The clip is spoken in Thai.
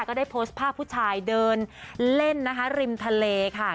ก็ได้โพสต์ภาพผู้ชายเดินเล่นนะคะริมทะเลค่ะ